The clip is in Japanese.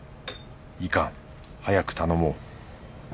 いかん早く頼もう。